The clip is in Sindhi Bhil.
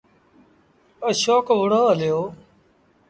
اشوڪ وُهڙو هليو۔